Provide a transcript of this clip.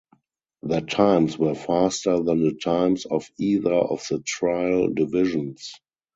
Their times were faster than the times of either of the trial divisions.